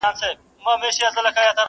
تر هرڅه سخت امتحان دی،